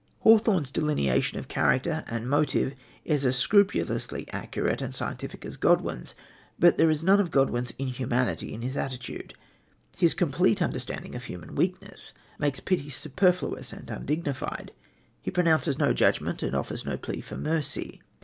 Hawthorne's delineation of character and motive is as scrupulously accurate and scientific as Godwin's, but there is none of Godwin's inhumanity in his attitude. His complete understanding of human weakness makes pity superfluous and undignified. He pronounces no judgment and offers no plea for mercy.